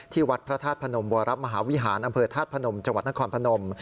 วัดพระธาตุพนมวรมหาวิหารอำเภอธาตุพนมจังหวัดนครพนม